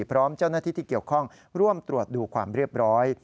พร้อมเจ้าหน้าที่ที่เกี่ยวข้องร่วมตรวจดูความเรียบร้อย